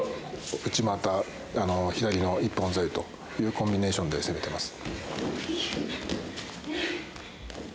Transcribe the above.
内股左の一本背負いというコンビネーションで攻めてます。